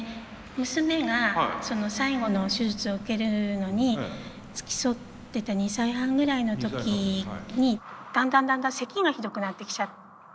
娘が最後の手術を受けるのに付き添ってた２歳半ぐらいの時にだんだんだんだんせきがひどくなってきちゃったんですね。